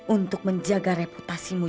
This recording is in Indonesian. untuk menjaga reputasimu